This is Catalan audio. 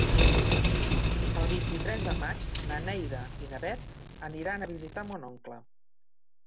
El vint-i-tres de maig na Neida i na Bet aniran a visitar mon oncle.